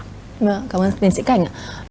cảm ơn liên sĩ cảnh ạ